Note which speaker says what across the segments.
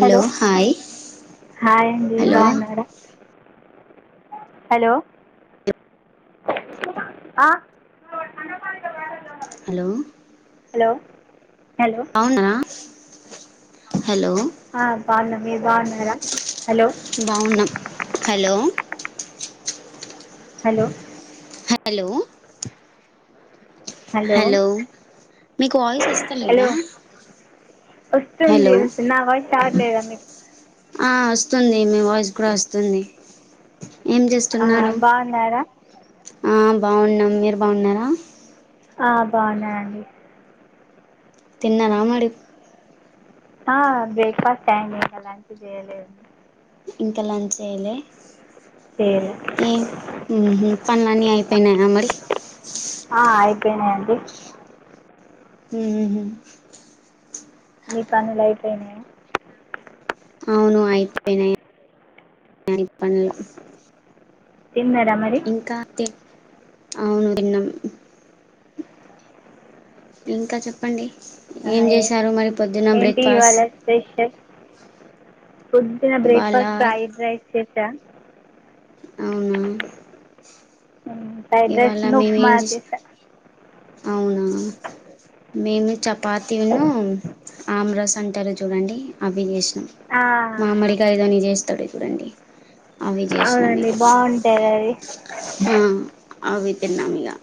Speaker 1: Hello hi అండి
Speaker 2: hello
Speaker 1: బావున్నర hello అ
Speaker 2: హలో
Speaker 1: హలో హలో
Speaker 2: అవునా
Speaker 1: ఆ బావున్నా మీరు బావున్నారా హలో
Speaker 2: బావున్నాం హలో
Speaker 1: హలో
Speaker 2: హలో హలో మీకు వాయిస్ వస్తా
Speaker 1: హలో
Speaker 2: లేదా
Speaker 1: వస్తుంది నా వాయిస్ రావ్లేదా మీకు
Speaker 2: ఆ వస్తుంది మీ వాయిస్ కూడా వస్తుంది ఏం
Speaker 1: ఆ,
Speaker 2: చేస్తున్నారు
Speaker 1: బాగున్నారా
Speaker 2: మ్ బావున్నాం మీరు బావున్నారా
Speaker 1: ఆ బావున్నాను అండి
Speaker 2: తిన్నావ మరి
Speaker 1: ఆ బ్రేక్ఫాస్ట్ అయింది ఇంకా లంచ్ జేయలేదు
Speaker 2: ఇంకా లంచ్ చేయాలే
Speaker 1: చేయలేదు
Speaker 2: ఏ మ్ హు పనులన్నీ అయిపోయినాయా మరి
Speaker 1: ఆ, అయిపోయినాయండి
Speaker 2: మ్ హు
Speaker 1: మీ పనులైపోయినాయ
Speaker 2: అవును అయిపోయినాయి అన్నీ పనులు
Speaker 1: తిన్నారా మరి
Speaker 2: ఇంకా తి అవును తిన్నం ఇంకా చెప్పండి
Speaker 1: ఆ,
Speaker 2: ఏం
Speaker 1: ఏ-
Speaker 2: చేశారు మరి పొద్దున్న
Speaker 1: ఏంటి
Speaker 2: బ్రేక్ఫాస్ట్
Speaker 1: ఇవాళ స్పెషల్ పొద్దున
Speaker 2: ఇవాళ
Speaker 1: బ్రేక్ఫాస్ట్ ఫ్రైడ్ రైస్ చేసా
Speaker 2: అవునా
Speaker 1: ఫ్రైడ్
Speaker 2: ఇవాళ
Speaker 1: రైస్ను
Speaker 2: మేము
Speaker 1: ఉప్మా
Speaker 2: ఏం చేసినా
Speaker 1: చేశా
Speaker 2: అవునా మేము చపాతీ వును ఆమ్రాస్ అంటారు చూడండి అవి చేసినాం మామిడికాయ తోని చేసినం ఉంటాయి చూడండి అవి చేసినాం
Speaker 1: అవునండి
Speaker 2: ఇగ
Speaker 1: బాగుంటుంది అది
Speaker 2: ఆ అవి తిన్నమీగా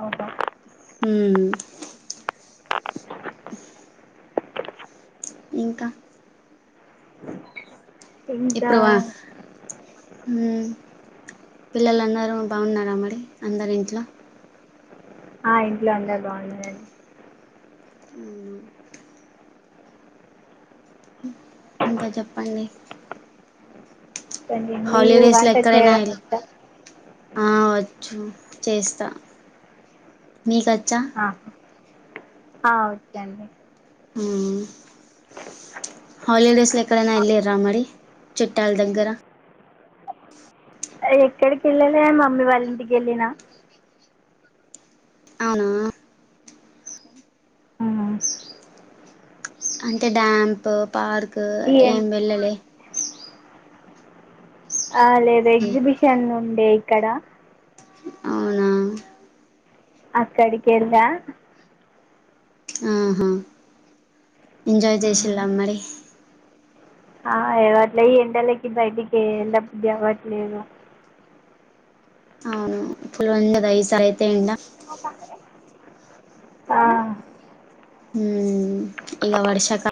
Speaker 1: అవును
Speaker 2: ఉమ్ ఇంకా
Speaker 1: ఇంకా
Speaker 2: పిల్లలు అందరు బాగున్నారా మరి అందరు ఇంట్లో
Speaker 1: ఆ ఇంట్లో అందరూ బాగున్నారండి
Speaker 2: ఉం ఇంకా చెప్పండి
Speaker 1: కొంచెం మీ
Speaker 2: హలిడేస్ లో
Speaker 1: వంట
Speaker 2: ఎక్కడైనా
Speaker 1: చేయడం వచ్చా
Speaker 2: ఆ వచ్చు చేస్తా మీకచ్చా
Speaker 1: ఆ ఓకే అండి
Speaker 2: ఉం హాలిడేస్లెక్కడనా ఎల్లిర్రా మరి చుట్టాల దగ్గర
Speaker 1: ఎక్కడికి వెళ్ళాలే మమ్మీ వాళ్ళింటికి వెళ్ళినా
Speaker 2: అవునా అంటే డ్యాంప్ పార్క్
Speaker 1: ఈ
Speaker 2: ఏం వెళ్ళలే
Speaker 1: ఆ లేదు ఎగ్జిబిషన్ ఉండే ఇక్కడ
Speaker 2: అవునా
Speaker 1: అక్కడికెళ్లా
Speaker 2: ఆహా ఎంజాయ్ చేసిలా మరి
Speaker 1: ఆ అవట్లే ఈ ఎండలకి బయటికి ఎల్ల బుద్ధి అవ్వట్లేదు
Speaker 2: అవును పుల్ వందద ఐసార్ అయితే ఎండ ఇక వర్షక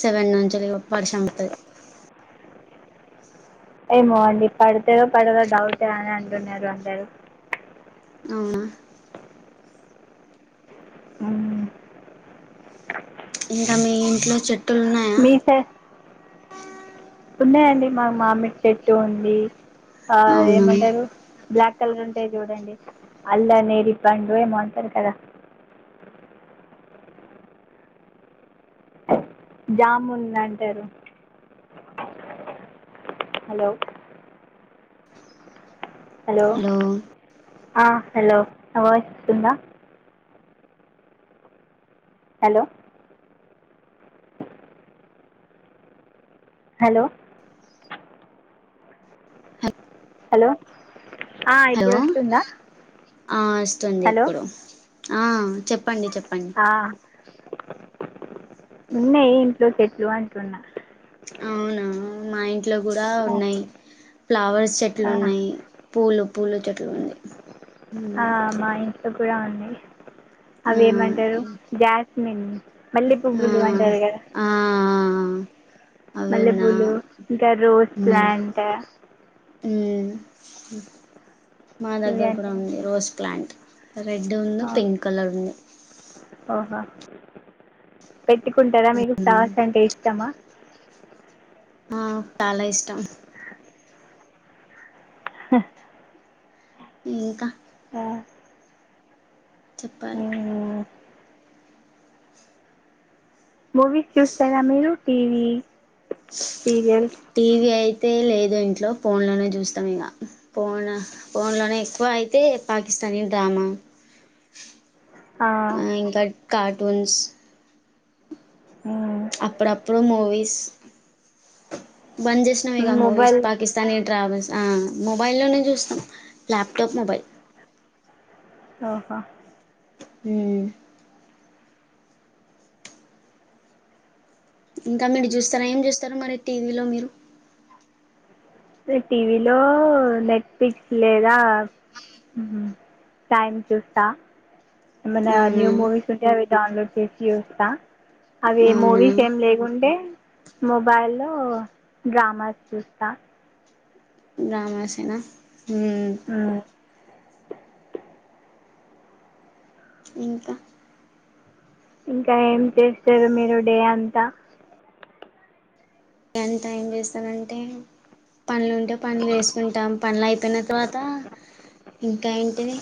Speaker 2: సెవెన్ నుంచే ఒప్పారు శంపుతది
Speaker 1: ఏమో అండి పడతదో పడదొ డౌట్ ఏ అని అంటున్నారు అందరు
Speaker 2: అవునా
Speaker 1: మ్మ్.
Speaker 2: ఇంకా మీ ఇంట్లో చెట్
Speaker 1: మీ సెడ్ ఉన్నాయండి మాకు మా మామిడి చెట్టు ఉంది ఆ
Speaker 2: అవునా
Speaker 1: ఏమంటారు బ్లాక్ కలర్ ఉంటాయి చూడండి అల్లనే రి పండు ఏమో అంటారు కదా
Speaker 2: అ
Speaker 1: జామున్ లు అంటారు హలో హలో ఆ హలో నా వాయిస్ వస్తుందా హలో హలో హలో ఇప్పుడు
Speaker 2: హలో
Speaker 1: వస్తుందా
Speaker 2: ఆ వస్తుంది
Speaker 1: హలో
Speaker 2: ఇప్పుడు ఆ చెప్పండి చెప్పండి
Speaker 1: ఆ, ఉన్నాయి ఇంట్లో చెట్లు అంటున్నా
Speaker 2: అవునా మా ఇంట్లో కూడా ఉన్నాయి ఫ్లవర్స్ చెట్లు
Speaker 1: ఆ,
Speaker 2: ఉన్నాయి పూలు పూలు చెట్లు ఉంది
Speaker 1: ఆ
Speaker 2: ఉమ్,
Speaker 1: మా ఇంట్లో కూడా ఉంది
Speaker 2: ఆ
Speaker 1: అవి ఏమంటారు జాస్మిన్ మల్లె
Speaker 2: ఆ
Speaker 1: పువ్వులు అంటారు కదా
Speaker 2: ఆ అవి
Speaker 1: మల్లె
Speaker 2: ఉన్నా
Speaker 1: పూలు ఇంకా రోస్
Speaker 2: ఉమ్
Speaker 1: ప్లాంట్
Speaker 2: ఉమ్ మా దగ్గర కూడా
Speaker 1: ఇవన్నీ
Speaker 2: ఉంది రోస్ ప్లాంట్ రెడ్ ఉంది పింక్ కలర్ ఉంది
Speaker 1: ఓహో పెట్టుకుంటారా మీకు ఫ్లవర్స్ అంటే ఇష్టమా
Speaker 2: ఆ చాలా ఇష్టం ఇంకా చెప్పాలి
Speaker 1: మూవీస్ చూస్తారా మీరు టీవీ సీరియల్స్
Speaker 2: టీవీ అయి టీవీ లేదు ఇంట్లో ఫోన్లోనే చూస్తాం ఇక ఫోన్ ఫోన్లోనే ఎక్కువ అయితే పాకిస్త న్ డ్రామా
Speaker 1: ఆ
Speaker 2: ఇంకా కార్టూన్స్ అప్పుడప్పుడు మూవీస్ బంద్ చేసినావి ఇక మూవీస్
Speaker 1: మొబైల్
Speaker 2: పాకిస్తానీ ట్రావెల్స్ ఆ మొబైల్లోనే చూస్తాం ల్యాప్టాప్ మొబైల్
Speaker 1: ఆహా
Speaker 2: ఊ ఇంకా మీరు చూస్తారా ఏం చూస్తారు మరి టీవీలో మీరు
Speaker 1: టీవీలో నెట్ఫ్లిక్స్ లేదా ఉహు టైమ్ చూస్తా ఏమన
Speaker 2: అవునా
Speaker 1: న్యూ మూవీస్ ఉంటే అవి డౌన్లోడ్ చేసి చూస్తా అవి ఏ
Speaker 2: అవునా
Speaker 1: మూవీస్ ఏం లేకుంటే మొబైల్లో డ్రామాస్ చూస్తా
Speaker 2: డ్రామాస్ ఏనా
Speaker 1: ఆ
Speaker 2: ఇంకా
Speaker 1: ఇంకా ఏం చేస్తారు మీరు డే అంతా
Speaker 2: డే అంతా ఏం చేస్తానంటే పనులు ఉంటే పనులు వేసుకుంటాం పనులు అయిపోయిన తర్వాత ఇంకా ఏంటిది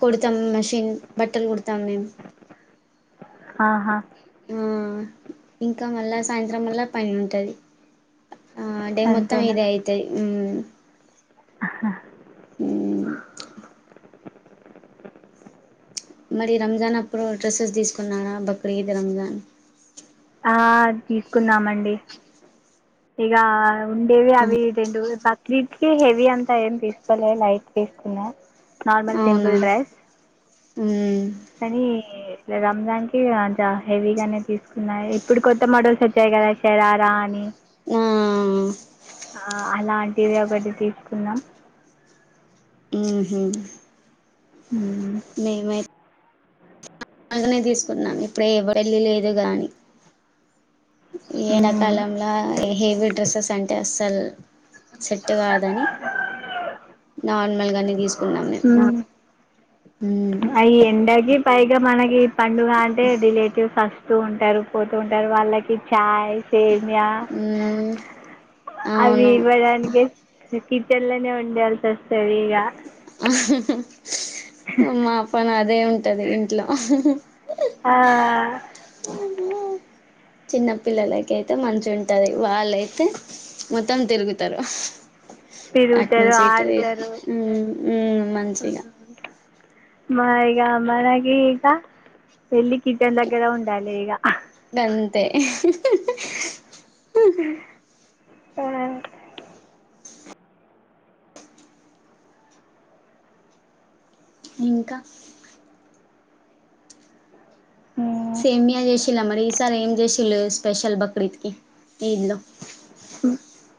Speaker 2: కుడతాం మషిన్ బట్టలు కుడతాము మేము
Speaker 1: ఆహా
Speaker 2: ఆ ఇంకా మళ్ళా సాయంత్రం మళ్ళా పని ఉంటది ఆ డే మొత్తం ఇదే అయితయి
Speaker 1: ఆ
Speaker 2: మరి రంజాన్ అప్పుడు డ్రస్సెస్ తీసుకున్నార బక్రీద్ రంజాన్
Speaker 1: ఆ తీసుకున్నామండి ఇక ఉండేవి అవి రెండు ప బక్రీద్ కి హెవీ అంతా ఏం తీసుకోలే లైట్ తీసుకున్నా నార్మల్
Speaker 2: అవునా
Speaker 1: సింపుల్ డ్రెస్
Speaker 2: మ్
Speaker 1: కాని రంజాన్కి కొంచం హెవీగానే తీసుకున్నాయి ఇప్పుడు కొత్త మోడల్స్ వచ్చాయి కదా శరారా అని
Speaker 2: ఆ
Speaker 1: ఆ అలాంటిది ఒకటి తీసుకున్న
Speaker 2: ఉహు
Speaker 1: ఉ
Speaker 2: అకనే తీసుకున్నా ఇప్పుడే ఎవరెళ్లి లేదు గాని
Speaker 1: హ్మ్
Speaker 2: ఎండకాలంలా హెవీ డ్రెస్సెస్ అంటే అస్సలు సెట్ కాదని నార్మల్గానే తీసుకు మ్మ్
Speaker 1: అ ఎండకి పైగామానకి పండుగ అంటే రిలేటివ్స్ వస్తూ ఉంటారు పోతూ ఉంటారు వాళ్ళకి చాయ్ సేమ్యా
Speaker 2: అవును
Speaker 1: అవిఇవ్వడానికే కిచెన్ లోనే ఉండాల్సి వస్తది ఇగా
Speaker 2: మా పని అదే ఉంటది ఇంట్లో
Speaker 1: ఆ
Speaker 2: చిన్నపిల్లలకి అయితే మంచి ఉంటది వాళ్ళయితే మొత్తం తిరుగుతారు అటు
Speaker 1: తిరుగుతారు
Speaker 2: నుంచి ఇటు ఇటు
Speaker 1: ఆడతారు
Speaker 2: ఉమ్ ఉమ్ మంచిగా
Speaker 1: ఉమ్. మా ఇగ మనకి ఇక వేళ్ళి కిచెన్ దగ్గరే ఉండాలి ఇగ
Speaker 2: అంతే ఇ
Speaker 1: అ
Speaker 2: ఇంకా
Speaker 1: హ్మ్
Speaker 2: సేమ్యా చేసిలా మరి ఈసారి ఏం చేసిళు స్పెషల్ బక్రీద్కికి ఈద్ లో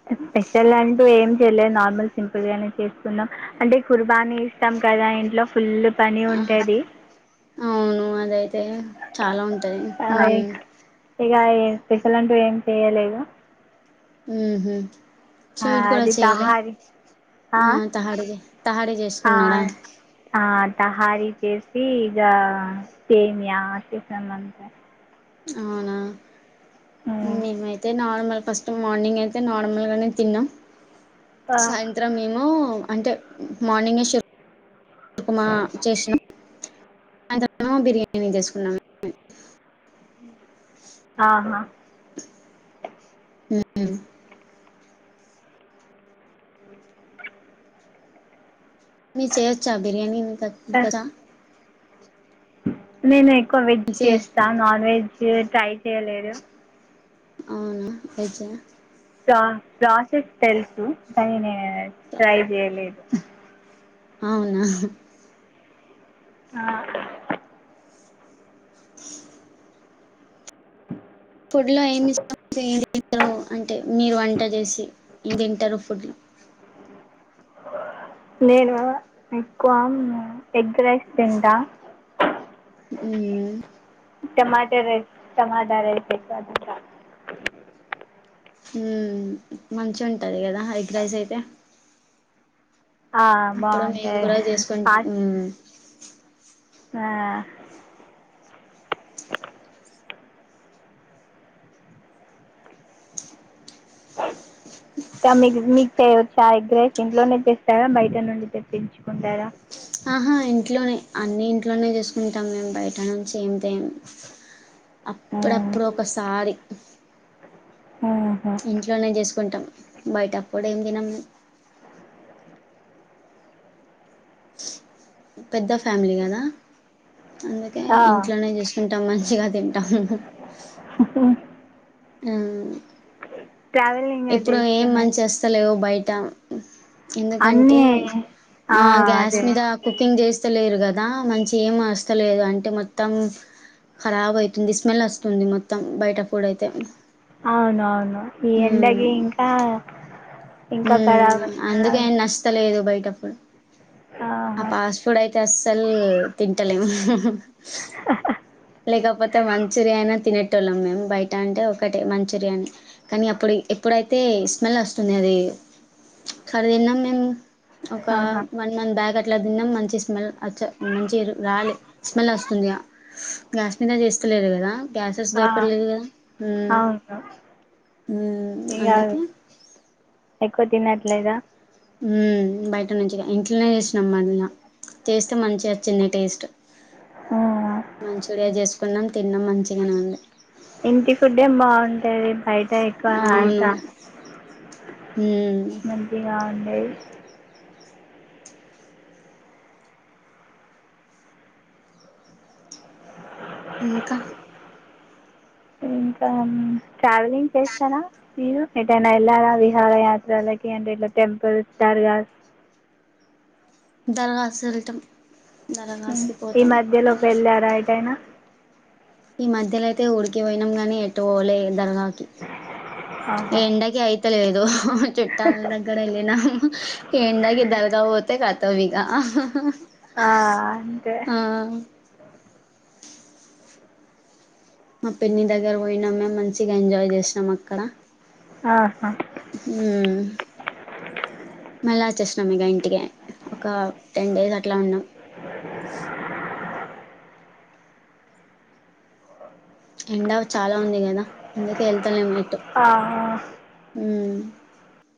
Speaker 1: అ స్పెషల్ అంటూ ఏం చేయలే నార్మల్ సింపుల్గానే చేసుకున్నాం అంటే కుర్బానీ ఇష్టం కదా మా ఇంట్లో ఫుల్ పని ఉంటది
Speaker 2: అవును అదయితే ఇగ చాలా ఉంట
Speaker 1: అ ఇగ స్పెషల్లంటూ ఏం చెయలేదు
Speaker 2: ఉహు
Speaker 1: అ అది తహారి ఆ
Speaker 2: తహాడి తహాడి
Speaker 1: ఆ
Speaker 2: చేసుకున్నాడా
Speaker 1: ఆ హరిత చేసి ఇగ సేమ్యా చికెన్ అంతే
Speaker 2: అవునా
Speaker 1: ఉ
Speaker 2: మేమైతే నార్మల్ ఫస్ట్ మార్నింగ్ అయితే నార్మల్ గానే తిన్నాం
Speaker 1: ఆ,
Speaker 2: సాయంత్రం ఏమో [unintelligible] [unintelligible]
Speaker 1: ఆహా
Speaker 2: [unintelligible] మీరు చేయొచ్చా బిర్యానీ మీకు వచ్చా
Speaker 1: మేము ఎక్కువ వెజ్ చేస్తా నాన్ వెజ్ ట్రై చేయలేదు
Speaker 2: అవున వెజ్ ఆ
Speaker 1: ప్రా ప్రాసెస్ తెలుసు కానీ నేను ట్రై చేయలేదు
Speaker 2: అవునా
Speaker 1: ఆ
Speaker 2: ఫుడ్ లో ఏమి మిస్ వేయండి ారు అంటే మీరు వంట చేసి ఏం తింటారు ఫుడ్లు
Speaker 1: నేనా ఎక్కువ ఎగ్ రైస్ తింటా
Speaker 2: ఉమ్
Speaker 1: టమాట రైస్ టమాట రైస్ [unintelligible]
Speaker 2: ఉమ్ మంచి ఉంటది కదా ఎగ్ రైస్ అయితే అప్పుడు మేము
Speaker 1: బాగుంటాయి
Speaker 2: కూడా చేసుకుంటాం ఉమ్
Speaker 1: ఆ ఇ మీ మీకు చా ఎగ్ రైస్ ఇంట్లోనే చెస్తారా బయట నుండి తెప్పించుకుంటారా
Speaker 2: ఆహా ఇంట్లోనే అన్ని ఇంట్లోనే చేసుకుంటాం మేము బయట నుంచి ఏం త్యాము అప్పుడప్పుడు ఒకసారి ఇంట్లోనే చేసుకుంటాం బయట ఫుడ్ ఏం తినము మేం పెద్ద ఫ్యామిలీ కదా అందుకే ఇంట్లోనే చూసుకుంటాము మంచిగా తింటాము ఆ
Speaker 1: ట్రావెలింగ్ అంటే
Speaker 2: ఇప్పుడు ఏం
Speaker 1: ఇష్టమేనా
Speaker 2: మంచి వస్తలేవు బయట దా ఎందుకంటే
Speaker 1: అన్నీ
Speaker 2: ఆ గ్యాస్
Speaker 1: అదే
Speaker 2: మీద కుకింగ్ చేస్తలేరు కదా మంచిగా ఏం వస్తా లేదు అంటే మొత్తం ఖరాబ్ అయితుంది స్మెల్ వస్తుంది మొత్తం బయట ఫుడ్ అయితే
Speaker 1: అవును అవును ఈ ఎండకి ఇంకా ఇంకా
Speaker 2: హుమ్
Speaker 1: ఖరాబ్
Speaker 2: అందుకే
Speaker 1: అవుతుంది
Speaker 2: ఆయన వస్తాలే లేదు బయట ఫుడ్ ఆ
Speaker 1: ఆహా
Speaker 2: ఫాస్ట్ ఫుడ్ అయితే అస్సలు తింటలేము లేకపోతే అయితే మంచూర్యానా తినేటి వాళ్ళం మేము బయట అంటే ఒకటే మంచూర్యాని కానీ అప్పుడు ఎప్పుడైతే స్మెల్ వస్తుంది అది సర తిన్నము మేము ఒక
Speaker 1: ఆహా
Speaker 2: వన్ మంత్ బ్యాక్ అట్లా తిన్నాం మంచి స్మెల్చ్చ మంచి రాలే స్మెల్ వస్తుంది గ్యాస్ మీదే చేస్తలేదు కదా గ్యాసెస్ సెస్
Speaker 1: ఆ!
Speaker 2: దరకలేదు కదా ఉమ్
Speaker 1: అవును
Speaker 2: ఉమ్
Speaker 1: ఇక
Speaker 2: అందకే
Speaker 1: ఎక్కువ తినట్లేదా
Speaker 2: ఉమ్ బయట నుంచి ఇంట్లోనే చేసినాం మళ్ళా చేస్తే మంచిగా వచ్చింది టేస్ట్
Speaker 1: హ్మ్.
Speaker 2: మంచూరియా చేసుకున్నాం తిన్నాం మంచిగానే ఉంది
Speaker 1: ఇంటి ఫుడ్ ఎం బాగుంటది బయట ఎక్కువ అంత
Speaker 2: అవును మ్మ్
Speaker 1: మంచిగా ఉండే
Speaker 2: ఇంకా
Speaker 1: ఇంకా ట్రావెలింగ్ చేస్తారా మీరు ఎకడైనా వెళ్ళారా విహార యాత్రలకి అంటే ఇట్లా టెంపుల్ దర్గాస్
Speaker 2: దరఖాస్తులు ఇటం
Speaker 1: ఉమ్ ఈ మధ్యలోకి వెళ్ళారా అకటైనా
Speaker 2: ఈ మధ్యలో అయితే ఉడికి పోయినాం గాని ఎటు పోవళ్ళ దర్గా
Speaker 1: ఆహా
Speaker 2: ఎండకి అయిత లేదు చుట్టాల దగ్గర వెళ్ళినా ఎండ కి దర్గ పోతే కత్తవిగా
Speaker 1: ఆ అంతే
Speaker 2: మా పెన్ని దగ్గర పోయినాం మేము మంచిగా ఎంజాయ్ చేసినాం అక్కడ
Speaker 1: ఆహా
Speaker 2: ఊ మళ చస్ నం ఇక ఇంటికే ఒక టెన్ డేస్ అట్లా ఉన్నాం. ఎండల్ చాలా ఉంది కదా, అందుకే వెళ్తాలెమే.
Speaker 1: ఆ
Speaker 2: ఊ